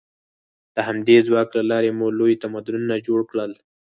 د همدې ځواک له لارې مو لوی تمدنونه جوړ کړل.